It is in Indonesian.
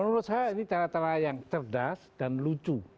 menurut saya ini cara cara yang cerdas dan lucu